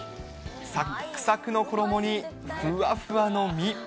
さくさくの衣にふわふわの身。